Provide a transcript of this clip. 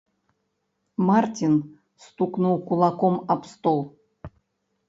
Марцін стукнуў кулаком аб стол.